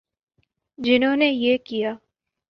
جنہوں نے یہ کیا۔